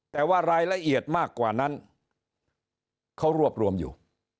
แต่ว่ารายละเอียดมากกว่านั้นเขารวบรวมอยู่